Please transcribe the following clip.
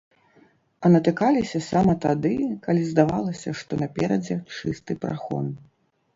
А натыкаліся сама тады, калі здавалася, што наперадзе чысты прахон.